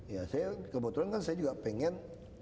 ya saya kebetulan kan saya juga pengen